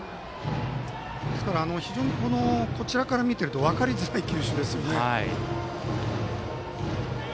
ですから、非常にこちらから見ていると分かりづらい球種ですよね。